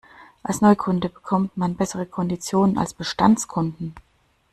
Als Neukunde bekommt man bessere Konditionen als Bestandskunden.